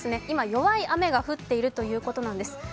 今、弱い雨が降っているということなんです。